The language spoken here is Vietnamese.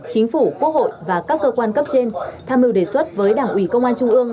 chính phủ quốc hội và các cơ quan cấp trên tham mưu đề xuất với đảng ủy công an trung ương